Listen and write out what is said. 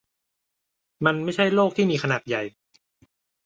มันไม่ใช่โลกที่มีขนาดใหญ่.